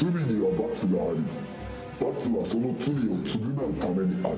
罰はその罪を償うためにある。